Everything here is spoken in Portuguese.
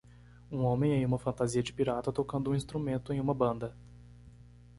Um homem em uma fantasia de pirata tocando um instrumento em uma banda.